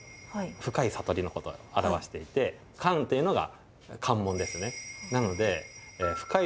深い悟りのことを表していて関っていうのが関門ですね。